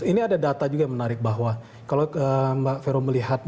ini ada data juga yang menarik bahwa kalau mbak vero melihat